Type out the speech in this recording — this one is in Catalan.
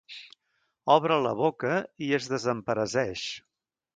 Obre la boca i es desempereseix.